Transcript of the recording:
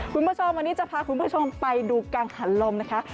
คุณผู้ชมวันนี้จะพาคุณผู้ชมไปดูกังหันลมนะคะ